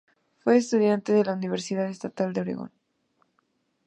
Fue estudiante de la Universidad Estatal de Oregón.